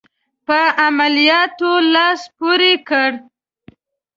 په عملیاتو لاس پوري کړ.